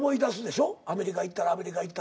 アメリカ行ったらアメリカ行ったで。